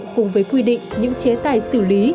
cùng với quy định những chế tài xử lý